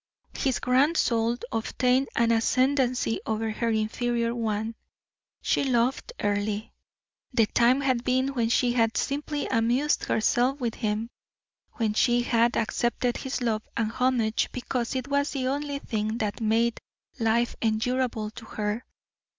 His grand soul obtained an ascendancy over her inferior one she loved Earle. The time had been when she had simply amused herself with him, when she had accepted his love and homage because it was the only thing that made life endurable to her.